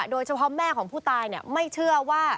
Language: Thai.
โดยเฉพาะแม่ของผู้ตายไม่เชื่อว่า